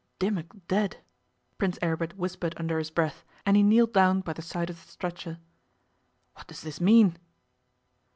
'Dimmock dead!' Prince Aribert whispered under his breath, and he kneeled down by the side of the stretcher. 'What does this mean?